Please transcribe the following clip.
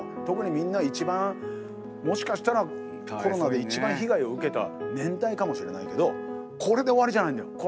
特にみんな一番もしかしたらコロナで一番被害を受けた年代かもしれないけどこれで終わりじゃないんだよ。